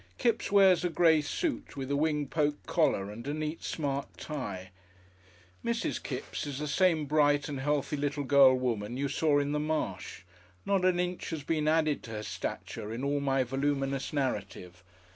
Kipps wears a grey suit, with a wing poke collar and a neat, smart tie. Mrs. Kipps is the same bright and healthy little girl woman you saw in the marsh; not an inch has been added to her stature in all my voluminous narrative.